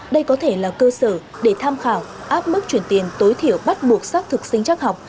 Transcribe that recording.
đây có thể là cơ sở để tham khảo áp mức chuyển tiền tối thiểu bắt buộc xác thực sinh chắc học